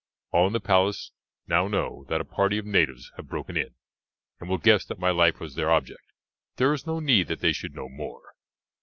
All in the palace now know that a party of natives have broken in, and will guess that my life was their object; there is no need that they should know more.